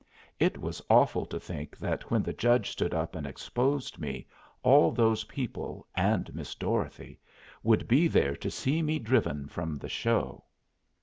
It was awful to think that when the judge stood up and exposed me, all those people, and Miss Dorothy, would be there to see me driven from the Show.